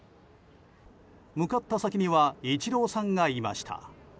向かった先にはイチローさんがいました。